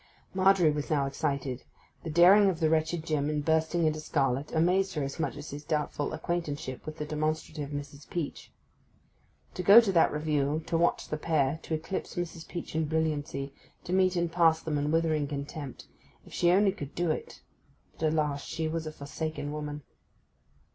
Margery was now excited. The daring of the wretched Jim in bursting into scarlet amazed her as much as his doubtful acquaintanceship with the demonstrative Mrs. Peach. To go to that Review, to watch the pair, to eclipse Mrs. Peach in brilliancy, to meet and pass them in withering contempt—if she only could do it! But, alas! she was a forsaken woman.